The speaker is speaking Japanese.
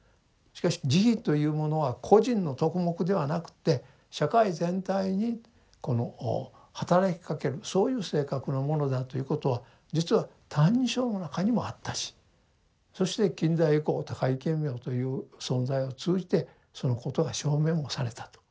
しかし慈悲というものは個人の徳目ではなくて社会全体にこのはたらきかけるそういう性格のものだということは実は「歎異抄」の中にもあったしそして近代以降高木顕明という存在を通じてそのことが証明もされたと。